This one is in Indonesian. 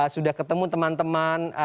sudah ketemu teman teman